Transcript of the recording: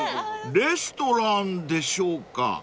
［レストランでしょうか？］